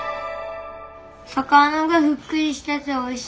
魚がふっくりしてておいしいです。